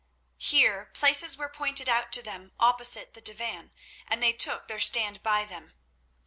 Here places were pointed out to them opposite the divan, and they took their stand by them.